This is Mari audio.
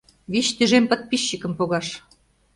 ВИЧ ТӰЖЕМ ПОДПИСЧИКЫМ ПОГАШ.